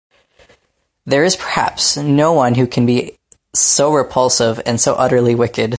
There is perhaps no one who can be so repulsive and so utterly wicked.